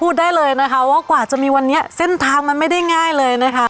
ได้เลยนะคะว่ากว่าจะมีวันนี้เส้นทางมันไม่ได้ง่ายเลยนะคะ